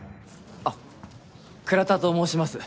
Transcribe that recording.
あっ倉田と申します。